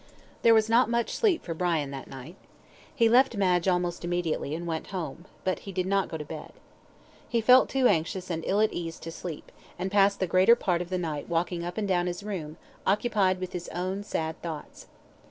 There was not much sleep for Brian that night. He left Madge almost immediately, and went home, but he did not go to bed. He felt too anxious and ill at ease to sleep, and passed the greater part of the night walking up and down his room, occupied with his own sad thoughts.